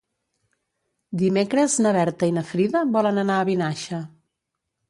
Dimecres na Berta i na Frida volen anar a Vinaixa.